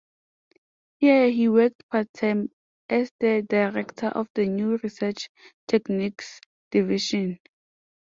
Here he worked part-time as the director of the new Research Techniques Division.